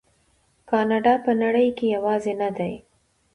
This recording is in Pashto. کاناډا په نړۍ کې یوازې نه ده.